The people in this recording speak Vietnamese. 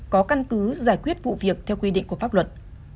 có căn cứ giải quyết vụ việc theo quy định của pháp luật